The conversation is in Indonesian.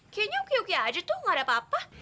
kayaknya oke oke aja tuh gak ada apa apa